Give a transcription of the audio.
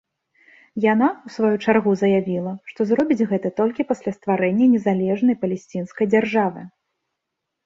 Яна, у сваю чаргу заявіла, што зробіць гэта толькі пасля стварэння незалежнай палесцінскай дзяржавы.